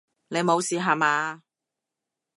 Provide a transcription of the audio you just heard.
你無事吓嘛！